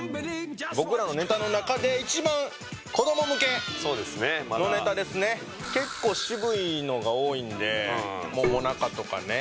僕らのネタの中で一番子供向けそうですねまだのネタですね結構渋いのが多いんで最中とかね